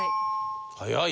早い。